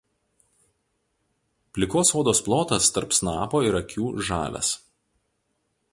Plikos odos plotas tarp snapo ir akių žalias.